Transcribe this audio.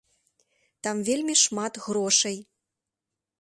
Там вельмі шмат грошай.